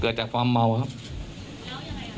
เกิดจากความเมาครับ